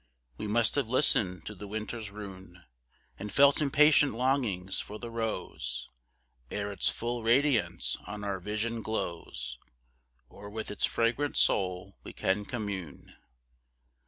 We must have listened to the winter's rune, And felt impatient longings for the rose, Ere its full radiance on our vision glows, Or with its fragrant soul, we can commune.